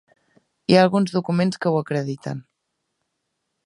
Hi ha alguns documents que ho acrediten.